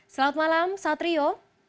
selamat malam satrio